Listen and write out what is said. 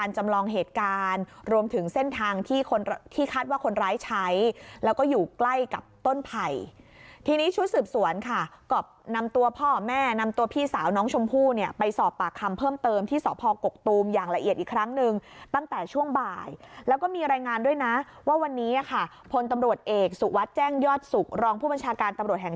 จำลองเหตุการณ์รวมถึงเส้นทางที่คนที่คาดว่าคนร้ายใช้แล้วก็อยู่ใกล้กับต้นไผ่ทีนี้ชุดสืบสวนค่ะก็นำตัวพ่อแม่นำตัวพี่สาวน้องชมพู่เนี่ยไปสอบปากคำเพิ่มเติมที่สพกกตูมอย่างละเอียดอีกครั้งหนึ่งตั้งแต่ช่วงบ่ายแล้วก็มีรายงานด้วยนะว่าวันนี้ค่ะพลตำรวจเอกสุวัสดิ์แจ้งยอดสุขรองผู้บัญชาการตำรวจแห่ง